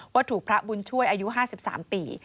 ว่าถูกพระบุญช่วยอายุ๕๓ปี